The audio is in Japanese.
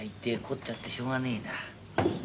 凝っちゃってしょうがねえな。